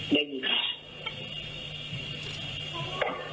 ได้ยินค่ะ